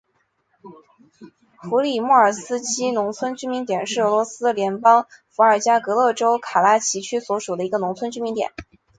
普里莫尔斯基农村居民点是俄罗斯联邦伏尔加格勒州卡拉奇区所属的一个农村居民点。